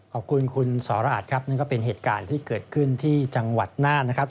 ขอบคุณคุณสรอาจครับนั่นก็เป็นเหตุการณ์ที่เกิดขึ้นที่จังหวัดน่านนะครับ